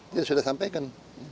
dia sudah sampaikan